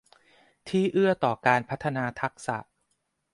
ที่เอื้อต่อการพัฒนาทักษะ